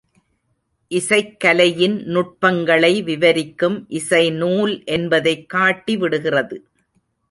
இசைக் கலையின் நுட்பங் களை விவரிக்கும் இசைநூல் என்பதைக் காட்டி விடுகிறது.